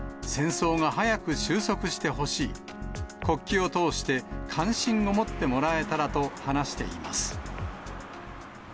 戦争が早く終息してほしい、国旗を通して関心を持ってもらえたらと話しています。